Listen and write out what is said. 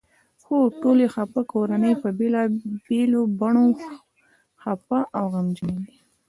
خو ټولې خپه کورنۍ په بېلابېلو بڼو خپه او غمجنې دي.